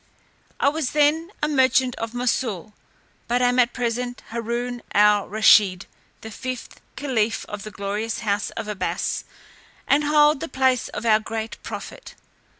I was then a merchant of Moussol, but am at present Haroon al Rusheed, the fifth caliph of the glorious house of Abbas, and hold the place of our great prophet.